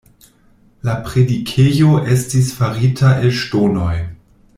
La predikejo estis farita el ŝtonoj.